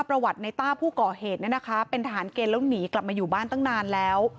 ประวัติในต้าผู้ก่อเหตุเนี่ยนะคะเป็นทหารเกณฑ์แล้วหนีกลับมาอยู่บ้านตั้งนานแล้ว